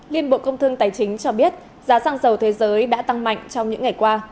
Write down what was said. liên bộ công thương tài chính cho biết giá xăng dầu thế giới đã tăng mạnh trong những ngày qua